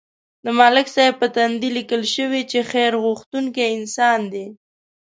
د ملک صاحب په تندي لیکل شوي چې خیر غوښتونکی انسان دی.